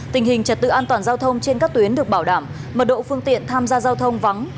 tình hình trật tự an toàn giao thông trên các tuyến được bảo đảm mật độ phương tiện tham gia giao thông vắng